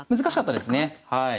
難しかったですね。